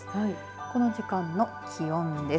この時間の気温です。